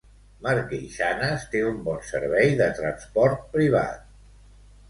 Marqueixanes té un bon servei de transport privat.